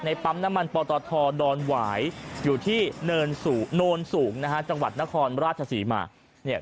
ในปั๊มน้ำมันปตธดอนหวายอยู่ที่เนินสูงจังหวัดนครราชศรีมาก